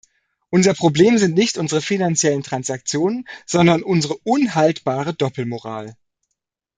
Unser Problem sind nicht unsere finanziellen Transaktionen, sondern unsere unhaltbare Doppelmoral.